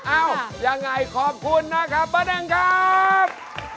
ยังไงขอบคุณนะครับป้าแดงครับ